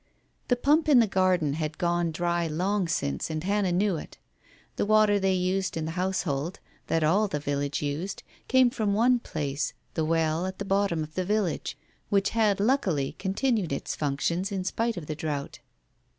The pump in the garden had gone dry long since and Hannah knew it. The water they used in the house hold — that all the village used — came from one place, the well at the bottom of the village, which had luckily continued its functions in spite of the drought.